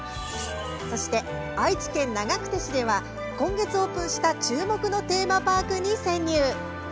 そして、愛知県長久手市では今月オープンした注目のテーマパークに潜入。